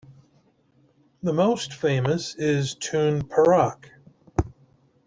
The most famous is Tun Perak.